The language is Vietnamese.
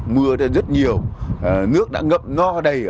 mưa rất nhiều nước đã ngập no đầy